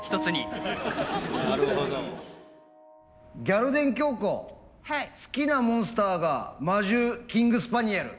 ギャル電きょうこ好きなモンスターが魔獣キングスパニエル。